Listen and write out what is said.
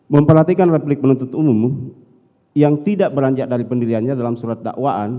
memperhatikan replik penuntut umum yang tidak beranjak dari pendiriannya dalam surat dakwaan